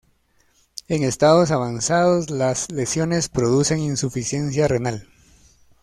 En estados avanzados, las lesiones producen insuficiencia renal.